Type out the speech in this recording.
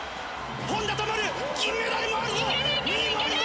本多灯銀メダルもあるぞ！